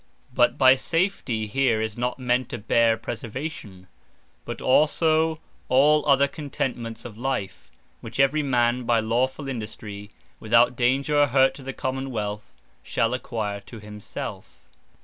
But by Safety here, is not meant a bare Preservation, but also all other Contentments of life, which every man by lawfull Industry, without danger, or hurt to the Common wealth, shall acquire to himselfe.